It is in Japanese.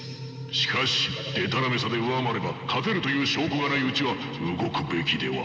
しかしでたらめさで上回れば勝てるという証拠がないうちは動くべきでは。